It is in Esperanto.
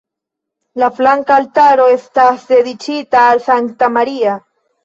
La flanka altaro estas dediĉita al Sankta Maria.